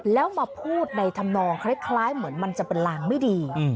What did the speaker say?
แล้วมาพูดในธรรมนองคล้ายเหมือนมันจะเป็นลางไม่ดี